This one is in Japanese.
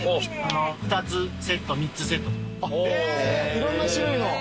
いろんな種類の。